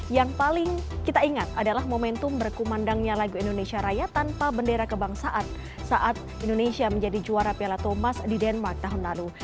yang paling kita ingat adalah momentum berkumandangnya lagu indonesia raya tanpa bendera kebangsaan saat indonesia menjadi juara piala thomas di denmark tahun lalu